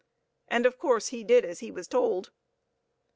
And, of course, he did as he was told.